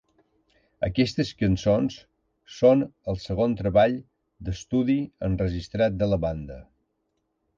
Aquestes cançons són el segon treball d'estudi enregistrat de la banda.